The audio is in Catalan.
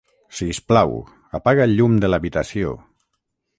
Sisplau, apaga el llum de l'habitació.